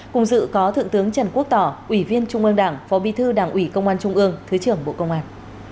cùng dự có thượng tướng trần quốc tỏ ủy viên trung ương đảng phó bi thư đảng ủy công an trung ương thứ trưởng bộ công an